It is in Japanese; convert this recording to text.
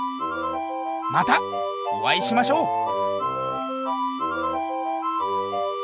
またおあいしましょう！